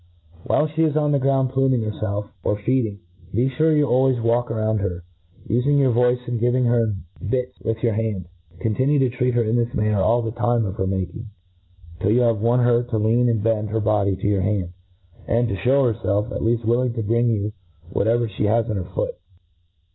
While flic is on tkc ground pluming herfelf^ ^ or feedings be fure you always walk around her, ufing your voice, and giving her bits with your hand* Continue to treat her in this manner kU the time of her making, till yoti have won her to lean and bend her body to your hand, and to fliew herfelf at leafl: willing to bring you what* ever flic has in her foot.